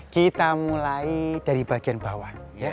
kita mulai dari bagian bawah